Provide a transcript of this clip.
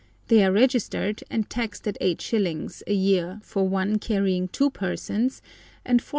They are registered and taxed at 8s. a year for one carrying two persons, and 4s.